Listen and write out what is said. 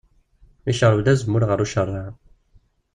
Icerrew-d azemmur ɣer ucerraɛ.